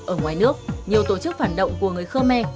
ở ngoài nước nhiều tổ chức phản động của người khơ me